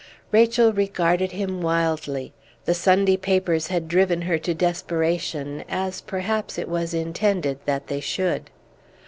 Rachel regarded him wildly; the Sunday papers had driven her to desperation, as, perhaps, it was intended that they should.